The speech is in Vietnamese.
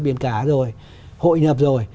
biển cả rồi hội nhập rồi